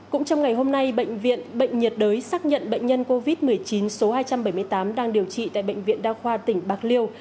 cũng trong ngày hôm nay bệnh viện bệnh nhiệt đới xác nhận bệnh nhân covid một mươi chín số hai trăm bảy mươi tám đang điều trị tại bệnh viện đa khoa tỉnh bạc liêu